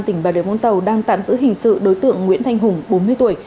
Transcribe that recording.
tỉnh bà điều vũng tàu đang tạm giữ hình sự đối tượng nguyễn thanh hùng bốn mươi tuổi